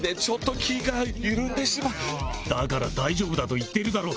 だから大丈夫だと言っているだろ